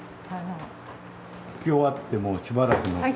弾き終わってもしばらく鳴る。